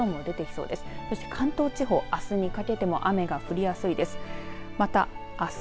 そして関東地方あすにかけても雨が降りやすいです。